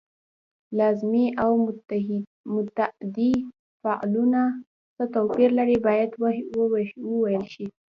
لازمي او متعدي فعلونه څه توپیر لري باید وویل شي.